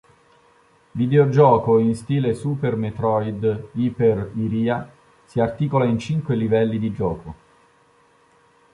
Videogioco in stile "Super Metroid", "Hyper Iria" si articola in cinque livelli di gioco.